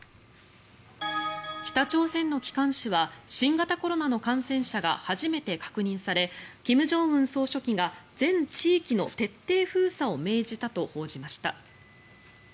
北朝鮮の機関紙は新型コロナの感染者が初めて確認され金正恩総書記が全地域の徹底封鎖を命じたと報じました。